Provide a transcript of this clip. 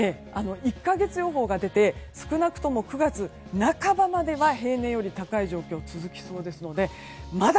１か月予報が出て少なくとも９月半ばまでは平年より高い状況が続きそうなのでまだ